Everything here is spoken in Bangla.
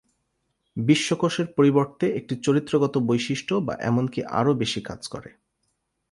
বিশ্বকোষের পরিবর্তে একটি চরিত্রগত বৈশিষ্ট্য বা এমনকি আরো বেশি কাজ করে।